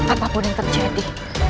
apapun yang terjadi